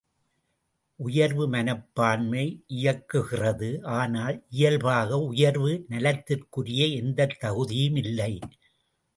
உயர்வு மனப்பான்மை இயக்குகிறது ஆனால், இயல்பாக உயர்வு நலத்திற்குரிய எந்தத் தகுதியும் இல்லை.